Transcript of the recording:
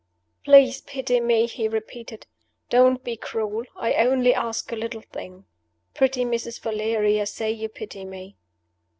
"Please pity me!" he repeated. "Don't be cruel. I only ask a little thing. Pretty Mrs. Valeria, say you pity me!"